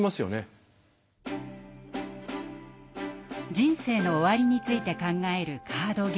人生の終わりについて考えるカードゲーム。